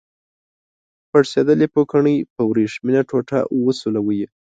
پړسیدلې پوکڼۍ په وریښمینه ټوټه وسولوئ.